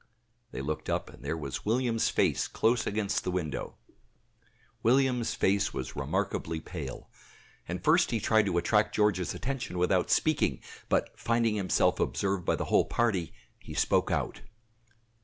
They looked up, and there was William's face close against the window. William's face was remarkably pale, and first he tried to attract George's attention without speaking, but finding himself observed by the whole party, he spoke out.